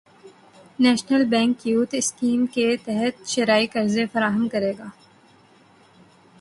national bank youth scheme کے تحت شرعی قرضے فراہم کرے گا